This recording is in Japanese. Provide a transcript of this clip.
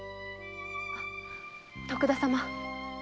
徳田様。